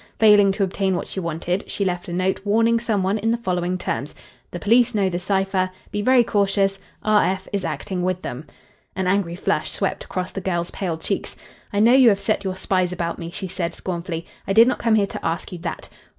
Failing to obtain what she wanted, she left a note warning some one in the following terms: 'The police know the cipher. Be very cautious. R. F. is acting with them.'" An angry flush swept across the girl's pale cheeks. "I know you have set your spies about me," she said scornfully. "I did not come here to ask you that.